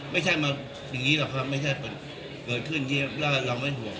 ไม่ใช่มาอย่างนี้หรอกครับไม่ใช่เกิดขึ้นที่แล้วเราไม่ห่วง